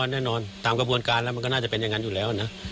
แน่นอนตามกระบวนการแล้วมันก็น่าจะเป็นอย่างนั้นอยู่แล้วนะ